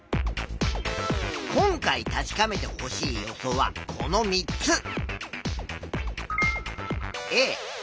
今回確かめてほしい予想はこの３つ。